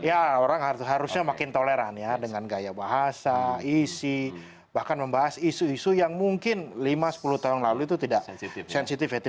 ya orang harusnya makin toleran ya dengan gaya bahasa isi bahkan membahas isu isu yang mungkin lima sepuluh tahun lalu itu tidak sensitif ya